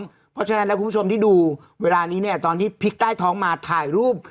เพราะฉะนั้นแล้วคุณผู้ชมที่ดูเวลานี้เนี่ยตอนที่พลิกใต้ท้องมาถ่ายรูป